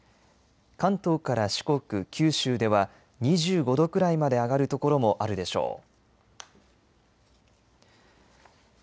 関東から四国、九州では２５度くらいまで上がる所もあるでしょう。